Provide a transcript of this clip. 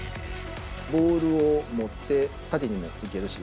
ボールを持って縦にもいけるし。